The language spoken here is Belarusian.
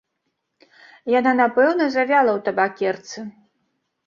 Яна напэўна завяла ў табакерцы.